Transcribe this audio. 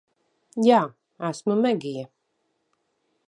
Jā. Esmu Megija.